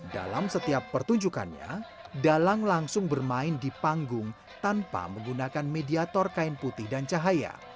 dalam setiap pertunjukannya dalang langsung bermain di panggung tanpa menggunakan mediator kain putih dan cahaya